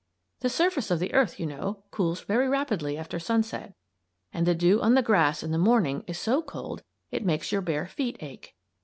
The surface of the earth, you know, cools very rapidly after sunset and the dew on the grass in the morning is so cold it makes your bare feet ache.